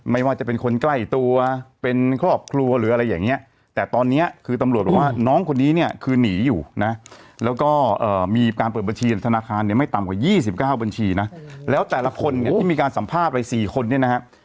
ไม่ว่าจะเป็นคนใกล้ตัวเป็นครอบครัวหรืออะไรอย่างเงี้ยแต่ตอนนี้คือตำรวจบอกว่าน้องคนนี้เนี่ยคือหนีอยู่นะแล้วก็มีการเปิดบัญชีธนาคารเนี่ยไม่ต่ำกว่า๒๙บัญชีนะแล้วแต่ละคนเนี่ยที่มีการสัมภาษณ์ไป๔คนเนี่ยนะฮะ